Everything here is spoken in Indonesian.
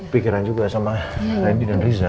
pikiran juga sama randy dan riza